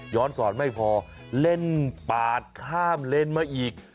สอนไม่พอเล่นปาดข้ามเลนมาอีก